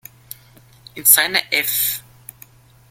In seiner "Ev.